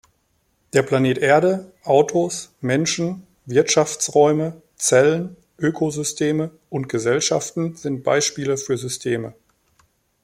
Der Planet Erde, Autos, Menschen, Wirtschaftsräume, Zellen, Ökosysteme und Gesellschaften sind Beispiele für Systeme.